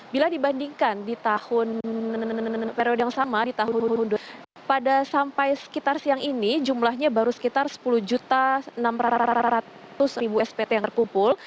bila dibandingkan di tahun periode yang sama di tahun pada sampai sekitar siang ini jumlahnya baru sekitar sepuluh enam ratus spt yang terkumpul